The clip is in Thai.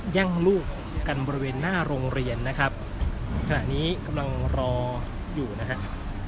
แย่งลูกกันบริเวณหน้าโรงเรียนนะครับขณะนี้กำลังรออยู่นะครับ